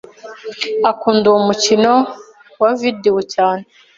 Akunda uwo mukino wa videwo cyane.